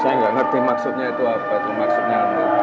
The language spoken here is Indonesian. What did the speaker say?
saya nggak ngerti maksudnya itu apa tuh maksudnya